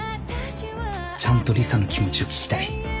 ちゃんと理沙の気持ちを聞きたい。